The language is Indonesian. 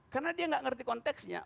karena dia tidak mengerti konteksnya